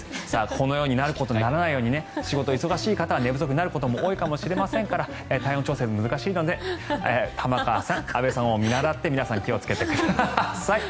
このようになることにならないように仕事が忙しい方はなる方も多いかもしれないので体温調整が難しいので玉川さん、安部さんを見習って皆さん気をつけてください。